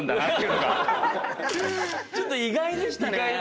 ちょっと意外でしたね。